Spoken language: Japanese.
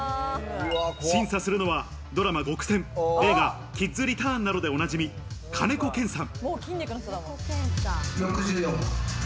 審査するのはドラマ『ごくせん』、映画『キッズ・リターン』などでおなじみ、金子賢さん。